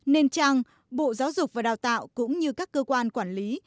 nên trang bộ giáo dục và đào tạo cũng như các cơ quan quản lý